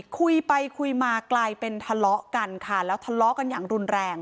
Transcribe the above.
คุยไปคุยมากลายเป็นทะเลาะกันค่ะแล้วทะเลาะกันอย่างรุนแรง